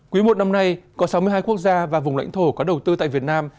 quý một năm nay có sáu mươi hai quốc gia và vùng lãnh thổ có đầu tư tại việt nam